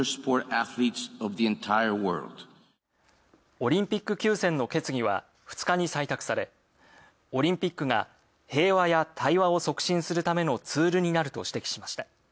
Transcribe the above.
オリンピック休戦の決議は２日に採択されオリンピックが「平和や対話を促進するためのツール」になると指摘しました。